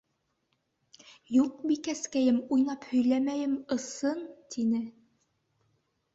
— Юҡ, бикәскәйем, уйнап һөйләмәйем, ысын, — тине.